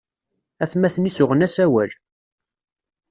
Atmaten-is uɣen-as awal.